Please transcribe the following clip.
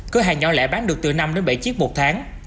cửa hàng nhỏ lẻ bán được từ năm đến bảy chiếc một tháng